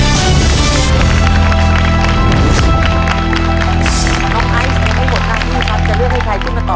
น้องไอศัตรูทั้งหมดนะพี่วินครับจะเลือกให้ใครขึ้นมาต่อ